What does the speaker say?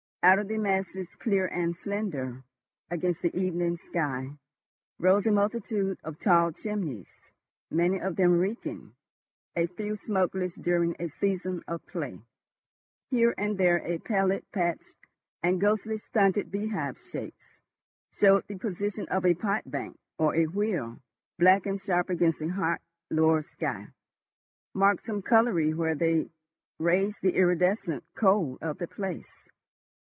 Out of the masses, clear and slender against the evening sky, rose a multitude of tall chimneys, many of them reeking, a few smokeless during a season of "play." Here and there a pallid patch and ghostly stunted beehive shapes showed the position of a pot bank, or a wheel, black and sharp against the hot lower sky, marked some colliery where they raise the iridescent coal of the place.